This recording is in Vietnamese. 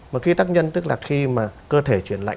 mà khi tác nhân tức là khi mà cơ thể chuyển lại